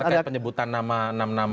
apakah penyebutan nama nama tadi